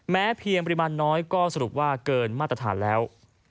แม้เพียงปริมาณน้อยก็สรุปว่าเกินมาตรฐานแล้ว